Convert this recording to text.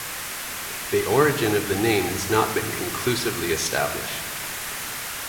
The origin of the name has not been conclusively established.